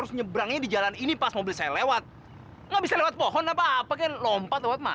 sampai jumpa di video selanjutnya